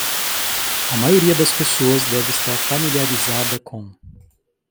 A maioria das pessoas deve estar familiarizada com